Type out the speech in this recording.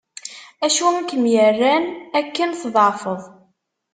Acu i kem-yerran akken tḍeεfeḍ?